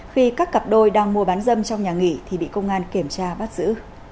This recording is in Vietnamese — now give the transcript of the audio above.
khi các cặp đôi đang mua bán dâm trong nhà nghỉ thì bị công an kiểm tra bắt giữ